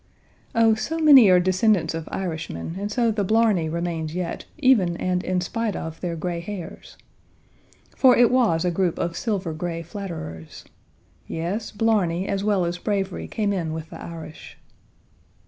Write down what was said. "Oh, so many are descendants of Irishmen, and so the blarney remains yet, even and in spite of their gray hairs!" For it was a group of silver gray flatterers. Yes, blarney as well as bravery came in with the Irish.